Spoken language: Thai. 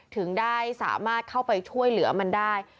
ถึงได้สามารถเข้าไปช่วยเหลือมันได้